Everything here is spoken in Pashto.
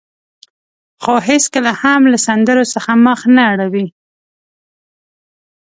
خو هېڅکله هم له سندرو څخه مخ نه اړوي.